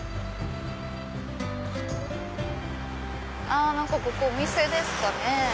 あ何かここお店ですかね。